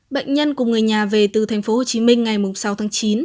bệnh nhân cùng người nhà về từ thành phố hồ chí minh ngày sáu tháng chín